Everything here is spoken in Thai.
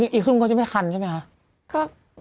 อีกครึ่งก็จะไม่ทันใช่ไหมคะ